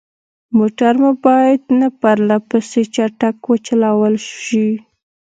موټر مو باید نه پرلهپسې چټک وچلول شي.